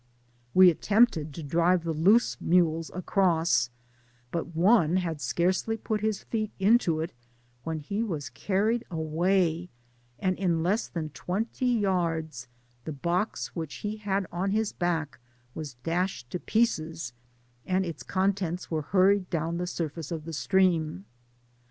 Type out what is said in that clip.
We attempted to drive the loose mules across, but one had scarcely put his feet into it, when he was carried away, and in less than twenty yards the box which he had on his back was dashed to pieces, and its contents were hurried down the surface of the stream.